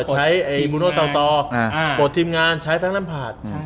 ใช้บูนโฮเซาโตปลดทีมงานใช้แฟนรัมผาด